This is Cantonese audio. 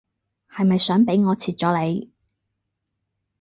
係咪想俾我切咗你